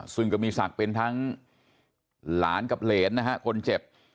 ซึ่งก็มีศักดิ์เป็นทั้งหลานกับเหรนนะฮะคนเจ็บ